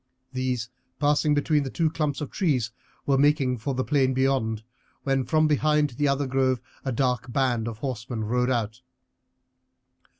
These, passing between the two clumps of trees, were making for the plain beyond, when from behind the other grove a dark band of horsemen rode out.